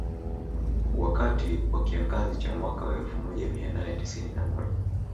Wakati wa kiangazi cha mwaka wa elfu moja mia nane tisini na moja